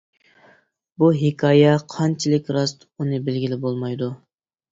بۇ ھېكايە قانچىلىك راست، ئۇنى بىلگىلى بولمايدۇ.